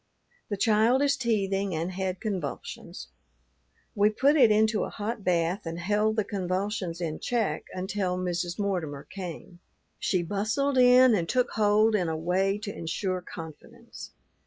The child is teething and had convulsions. We put it into a hot bath and held the convulsions in check until Mrs. Mortimer came. She bustled in and took hold in a way to insure confidence.